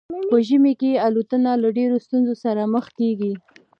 په ژمي کې الوتنه له ډیرو ستونزو سره مخ کیږي